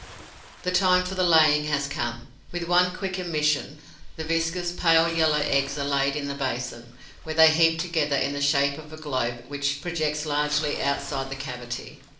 The time for the laying has come. With one quick emission, the viscous, pale yellow eggs are laid in the basin, where they heap together in the shape of a globe which projects largely outside the cavity.